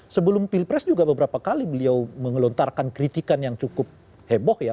sebelum pilpres juga beberapa kali beliau mengelontarkan kritikan yang cukup heboh ya